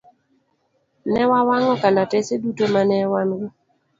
Ne wawang'o kalatese duto ma ne wan go.